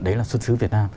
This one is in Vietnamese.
đấy là xuất xứ việt nam